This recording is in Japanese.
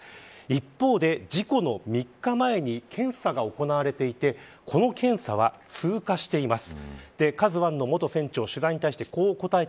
一方で、事故の３日前に検査が行われていてこの検査は通過しています。